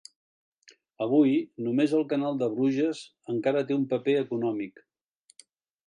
Avui, només el canal de Bruges encara té un paper econòmic.